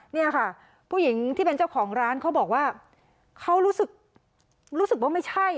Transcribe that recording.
เนี่ยค่ะผู้หญิงที่เป็นเจ้าของร้านเขาบอกว่าเขารู้สึกรู้สึกว่าไม่ใช่